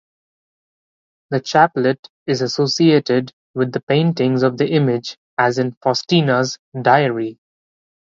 The chaplet is associated with the paintings of the image as in Faustina's diary.